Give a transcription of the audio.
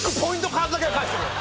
カードだけは返してくれ！